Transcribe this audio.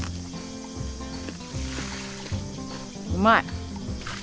うまい！